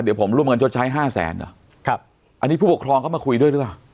เดี๋ยวผมร่วมกันชดใช้ห้าแสนเหรอครับอันนี้ผู้ปกครองเข้ามาคุยด้วยหรือเปล่า